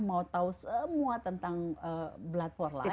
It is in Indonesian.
mau tahu semua tentang blood for line